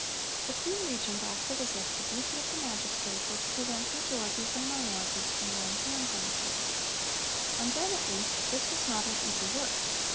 The Queen Regent acted as if 'the duty of the Magistrate' were to prevent majorities and minorities from laying hands on each other. And, then at least, this was not an easy work.